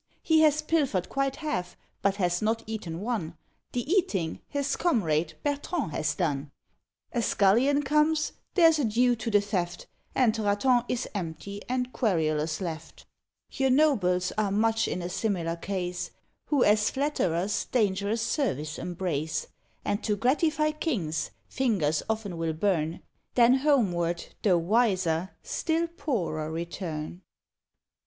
He has pilfered quite half, but has not eaten one; The eating his comrade, Bertrand, has done. A scullion comes there's adieu to the theft And Raton is empty and querulous left. Your nobles are much in a similar case, Who as flatterers dangerous service embrace; And to gratify kings, fingers often will burn, Then homeward, though wiser, still poorer return.